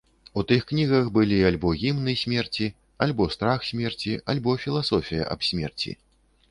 У тых кнігах былі альбо гімны смерці, альбо страх смерці, альбо філасофія аб смерці.